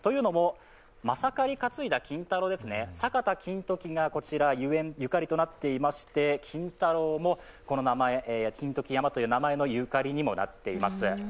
というのも、まさかり担いだ金太郎ですね、坂田金時がこちらゆかりとなっていまして金太郎もこの金時山のゆかりにもなっています。